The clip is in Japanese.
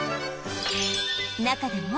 中でも